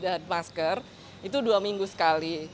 dan masker itu dua minggu sekali